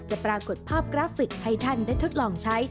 ปรากฏภาพกราฟิกให้ท่านได้ทดลองใช้